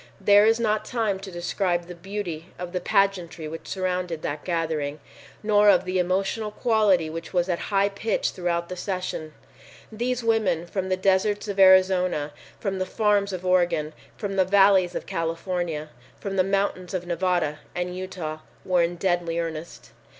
There is not time to describe the beauty of the pageantry which surrounded that gathering, nor of the emotional quality which was at high pitch throughout the sessions. These women from the deserts of Arizona, from the farms of Oregon, from the valleys of California, from the mountains of Nevada and Utah, were in deadly earnest.